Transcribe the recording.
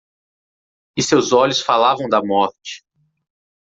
E seus olhos falavam da morte.